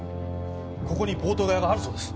ここにボート小屋があるそうです。